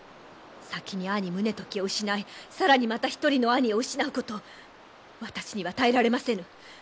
先に兄宗時を失い更にまた一人の兄を失うこと私には耐えられませぬ。